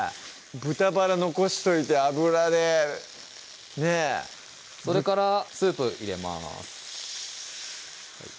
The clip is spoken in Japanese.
豚バラの残しといて脂でねぇそれからスープ入れます